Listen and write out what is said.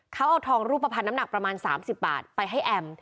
เขาเอาทองรูปภัณฑ์น้ำหนักประมาณ๓๐บาทไปให้แอม